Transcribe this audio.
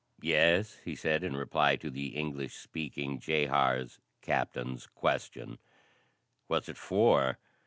"Yes," he said in reply to the English speaking jehar's captain's question. "What's it for?"